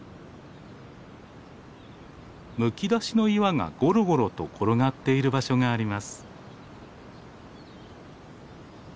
むき出しの岩がゴロゴロと転がっている場所があります。